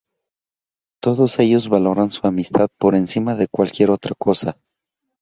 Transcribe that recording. Todos ellos valoran su amistad por encima de cualquier otra cosa.